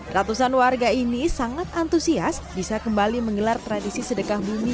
ratusan warga ini sangat antusias bisa kembali menggelar tradisi sedekah bumi